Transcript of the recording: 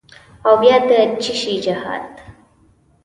او بیا د چیشي جهاد؟